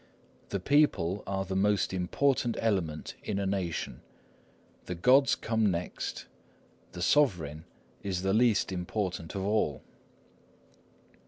"The people are the most important element in a nation; the gods come next; the sovereign is the least important of all."